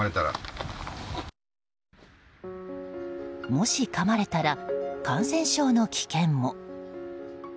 もし、かまれたら感染症の危険も。